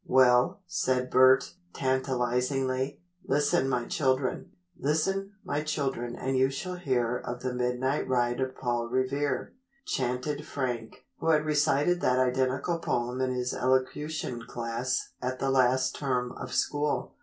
"Well," said Bert, tantalizingly, "listen my children " "'Listen, my children and you shall hear Of the midnight ride of Paul Revere,'" chanted Frank, who had recited that identical poem in his elocution class at the last term of school.